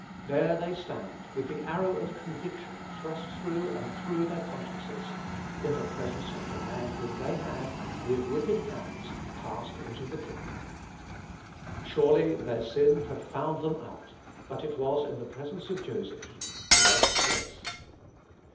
There they stand, with the arrow of conviction thrust through and through their consciences, in the presence of the man whom they had, "with wicked hands," cast into the pit. Surely their sin had found them out; but it was in the presence of Joseph. Blessed place!